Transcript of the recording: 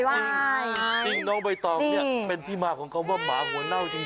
จริงน้องใบต่อฟรีนี้เป็นเพียงมาของเขาว่าหมาหัวเน่าจริง